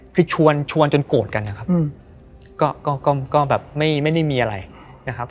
คือชวนชวนจนโกรธกันนะครับอืมก็ก็ก็ก็แบบไม่ไม่ได้มีอะไรนะครับ